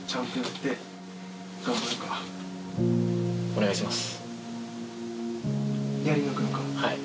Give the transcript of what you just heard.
お願いします。